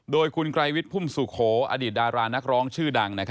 โดยคุณไกรวิทย์พุ่มสุโขอดีตดารานักร้องชื่อดัง